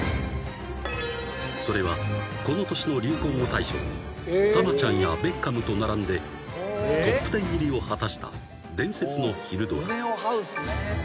［それはこの年の流行語大賞に「タマちゃん」や「ベッカム」と並んでトップ１０入りを果たした伝説の昼ドラ］